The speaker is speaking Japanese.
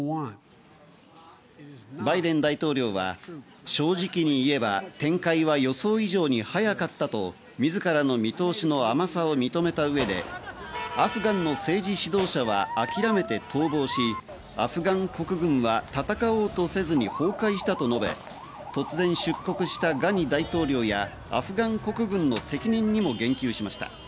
バイデン大統領は正直に言えば、展開は予想以上に早かったと自らの見通しの甘さを認めた上でアフガンの政治指導者は諦めて逃亡し、アフガン国軍は戦おうとせずに崩壊したと述べ、突然、出国したガニ大統領やアフガン国軍の責任にも言及しました。